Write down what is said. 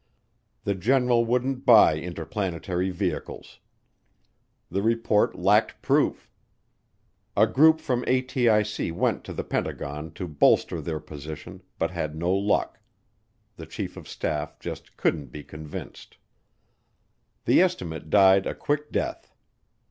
The general wouldn't buy interplanetary vehicles. The report lacked proof. A group from ATIC went to the Pentagon to bolster their position but had no luck, the Chief of Staff just couldn't be convinced. The estimate died a quick death.